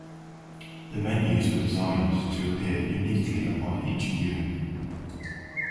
The menus were designed to appear uniquely upon each viewing.